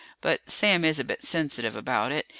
But Sam is a bit sensitive about it.